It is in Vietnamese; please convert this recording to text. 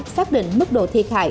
xác định mức độ thiệt hại